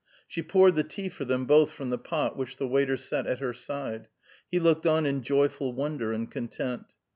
She poured the tea for them both from the pot which the waiter set at her side; he looked on in joyful wonder and content.